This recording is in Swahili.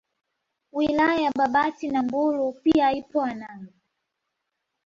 Wilaya ya Babati na Mbulu pia ipo Hanang